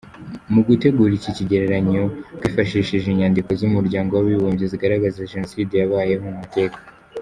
Mu gutegura iki cyegeranyo twifashishije inyandiko z’Umuryango wabibumbye zigaragaza Jenoside zabayeho mu mateka.